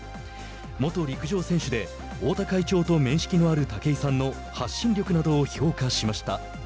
元陸上選手で面識のある武井さんの発信力などを評価しました。